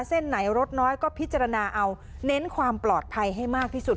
เส้นไหนรถน้อยก็พิจารณาเอาเน้นความปลอดภัยให้มากที่สุด